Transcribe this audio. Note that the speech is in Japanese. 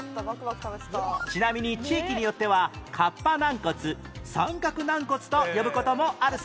ちなみに地域によってはカッパ軟骨サンカク軟骨と呼ぶ事もあるそうです